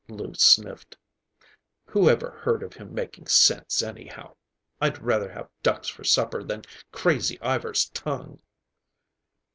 Lou sniffed. "Whoever heard of him talking sense, anyhow! I'd rather have ducks for supper than Crazy Ivar's tongue."